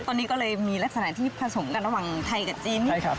ตอนนี้ก็เลยมีลักษณะที่ผสมกันระหว่างไทยกับจีน